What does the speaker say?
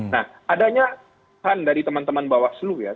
nah adanya peran dari teman teman bawaslu ya